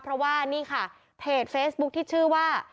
เพราะว่านี่ค่ะเพจเฟซบุ๊คที่ชื่อว่า